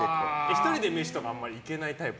１人で飯とか行けないタイプ？